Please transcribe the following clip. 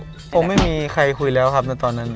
คงไม่มีใครคุยแล้วครับในตอนนั้น